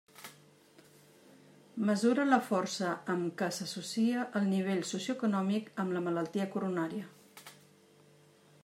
Mesura la força amb què s'associa el nivell socioeconòmic amb la malaltia coronària.